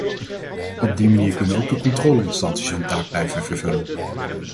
Op die manier kunnen ook de controle-instanties hun taak blijven vervullen.